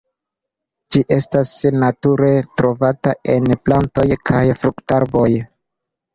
Ĝi estas nature trovata en plantoj kaj fruktarboj.